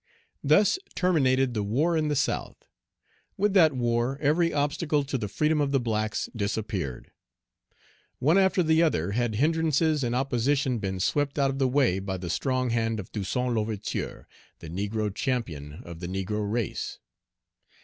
Thus terminated the war in the South. With that war every obstacle to the freedom of the blacks disappeared. One after the other had hindrances and opposition been swept out of the way by the strong hand of Toussaint L'Ouverture, the negro champion of the negro race.